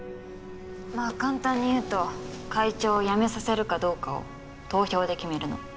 まあ簡単に言うと会長を辞めさせるかどうかを投票で決めるの。